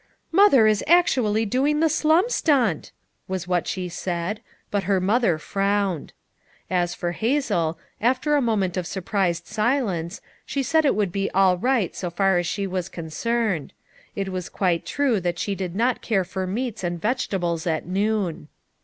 " Mother is actually doing the slum stunt!" was what she said; but her mother frowned. As for Hazel, after a moment of surprised si lence, she said it would be all right so far as she was concerned ; it was quite true that she did not care for meats and vegetables at noon.